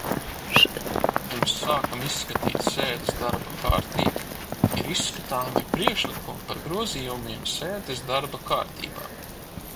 Pirms sākam izskatīt sēdes darba kārtību, ir izskatāmi priekšlikumi par grozījumiem sēdes darba kārtībā.